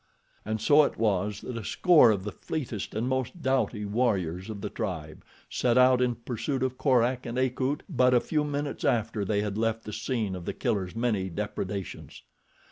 And so it was that a score of the fleetest and most doughty warriors of the tribe set out in pursuit of Korak and Akut but a few minutes after they had left the scene of The Killer's many depredations.